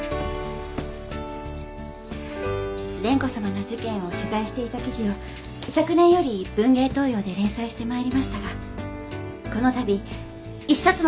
蓮子様の事件を取材していた記事を昨年より「文芸東洋」で連載してまいりましたがこの度一冊の本として出版の運びとなりました。